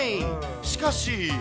しかし。